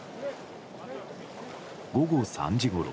午後３時ごろ。